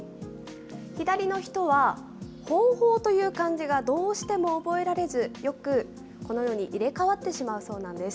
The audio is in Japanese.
左の人は、方法という漢字がどうしても覚えられず、よく、このように入れ代わってしまうそうなんです。